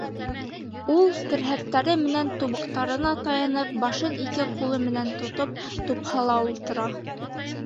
Ул, терһәктәре менән тубыҡтарына таянып, башын ике ҡулы менән тотоп, тупһала ултыра.